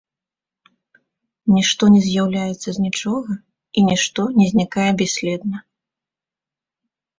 Нішто не з'яўляецца з нічога, і нішто не знікае бясследна.